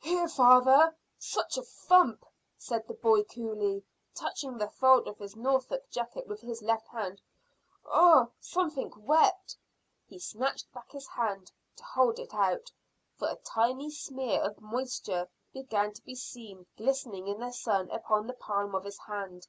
"Here, father such a thump," said the boy coolly, touching the fold of his Norfolk jacket with his left hand. "Ugh! Something wet." He snatched back his hand, to hold it out, for a tiny smear of moisture to be seen glistening in the sun upon the palm of his hand.